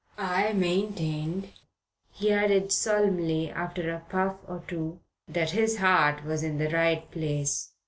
I maintained," he added solemnly after a puff or two, "that his heart was in the right place.